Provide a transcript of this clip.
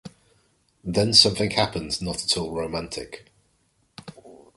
Then something happened not at all romantic.